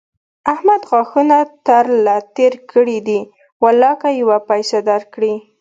احمد غاښونه تر له تېر کړي دي؛ ولاکه يوه پيسه در کړي.